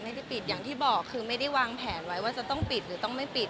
ไม่ได้ปิดอย่างที่บอกคือไม่ได้วางแผนไว้ว่าจะต้องปิดหรือต้องไม่ปิด